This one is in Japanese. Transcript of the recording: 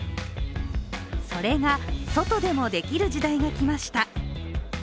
それが外でもできる時代がきました。